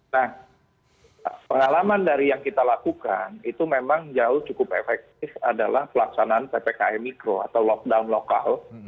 nah pengalaman dari yang kita lakukan itu memang jauh cukup efektif adalah pelaksanaan ppkm mikro atau lockdown lokal